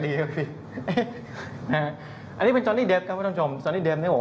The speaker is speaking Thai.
ดีนะฮะอันนี้เป็นจอลลี่เดฟครับผู้ชมจอลลี่เดฟเนี่ย